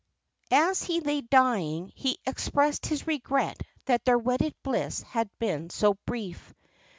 As he lay dying he expressed his regret that their wedded bliss had been so brief.